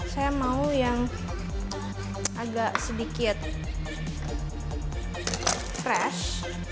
saya mau yang agak sedikit fresh